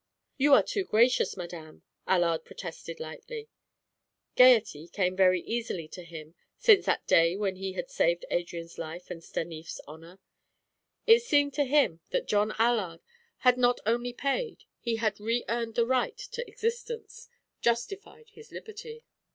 "You are too gracious, madame," Allard protested lightly. Gaiety came very easily to him since that day when he had saved Adrian's life and Stanief's honor. It seemed to him that John Allard had not only paid; he had re earned the right to existence, justified his liberty.